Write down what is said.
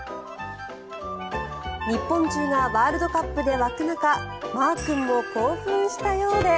日本中がワールドカップで沸く中まー君も興奮したようで。